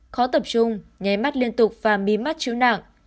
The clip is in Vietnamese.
khó tập trung nháy mắt liên tục và mi mắt chịu nặng